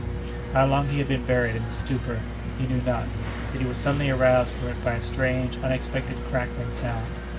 How long he had been buried in this stupor he knew not, but he was suddenly aroused from it by a strange, unexpected crackling sound.